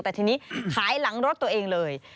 แต่ทีนี้ขายหลังรถตัวเองเลย